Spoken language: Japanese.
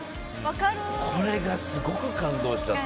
これがすごく感動しちゃって。